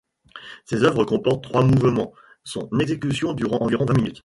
Cette œuvre comporte trois mouvements, son exécution durant environ vingt minutes.